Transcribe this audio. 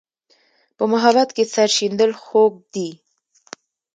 په محبت کې سر شیندل خوږ دي.